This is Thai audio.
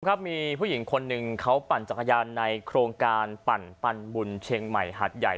ครับมีผู้หญิงคนหนึ่งเขาปั่นจักรยานในโครงการปั่นบุญเชียงใหม่หาดใหญ่